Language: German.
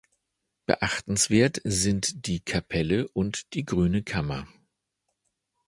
Beachtenswert sind die Kapelle und die "Grüne Kammer".